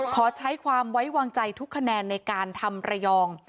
ขอใช้ความไว้วางใจทุกคะแนนในการทำระยอง